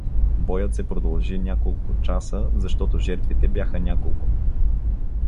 Боят се продължи няколко часа, защото жертвите бяха няколко.